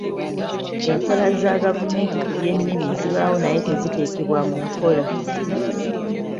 Enkola za gavumenti ku by'ennimi zibaawo naye ate teziteekebwa mu nkola.